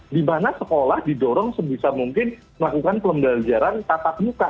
dimana sekolah didorong sebisa mungkin melakukan pembelajaran tatap muka